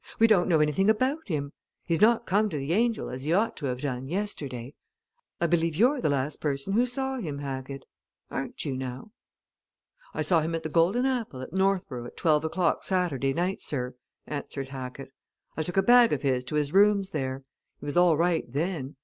"We don't know anything about him. He's not come to the 'Angel,' as he ought to have done, yesterday. I believe you're the last person who saw him, Hackett. Aren't you, now?" "I saw him at the 'Golden Apple' at Northborough at twelve o'clock Saturday night, sir," answered Hackett. "I took a bag of his to his rooms there. He was all right then.